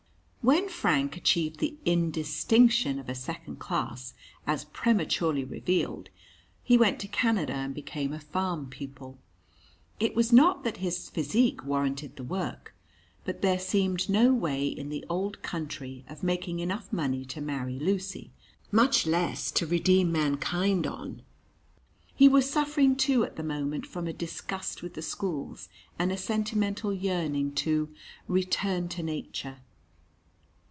When Frank achieved the indistinction of a second class, as prematurely revealed, he went to Canada, and became a farm pupil. It was not that his physique warranted the work, but there seemed no way in the old country of making enough money to marry Lucy (much less to redeem mankind) on. He was suffering, too, at the moment from a disgust with the schools, and a sentimental yearning to "return to nature."